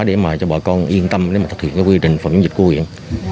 để mà cho bà con yên tâm để mà thực hiện cái quy trình phòng chống dịch của huyện